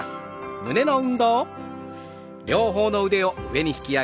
胸の運動です。